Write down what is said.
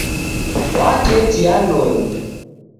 Waketi andonyi.